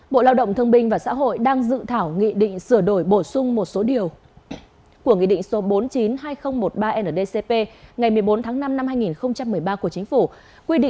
bộ lao động thương binh và xã hội đang dự thảo nghị định sửa đổi bổ sung một số điều của nghị định số bốn trăm chín mươi hai nghìn một mươi ba ndcp ngày một mươi bốn tháng năm năm hai nghìn một mươi ba của chính phủ